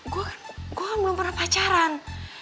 gue kan gue belum pernah pacaran